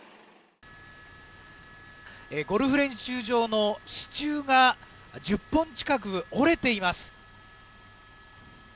ゴルフ練習場の支柱が１０本近く折れています。